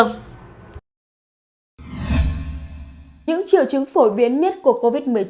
những triệu chứng phổ biến nhất của covid một mươi chín